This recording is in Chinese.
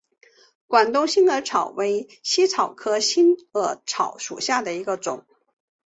广东新耳草为茜草科新耳草属下的一个种。